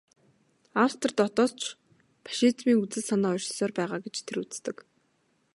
Австрид одоо ч фашизмын үзэл санаа оршсоор байгаа гэж тэр үздэг.